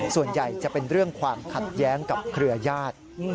ส่วนใหญ่จะเป็นเรื่องความขัดแย้งกับเครือญาติ